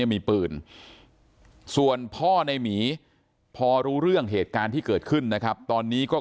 คือเหมือนเขาเหนียวคดีอยู่